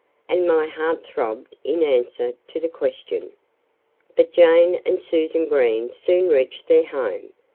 And my heart throbbed in answer to the question. But Jane and Susan Green soon reached their home.